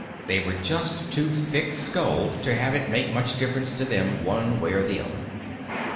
They were just too thick skulled to have it make much difference to them one way or the other.